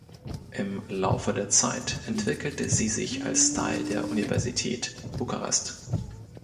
Im Laufe der Zeit entwickelte sie sich als Teil der Universität Bukarest.